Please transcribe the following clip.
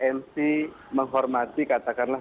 yang bisa menghormati katakanlah